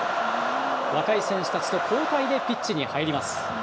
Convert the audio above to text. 若い選手たちと交代でピッチに入ります。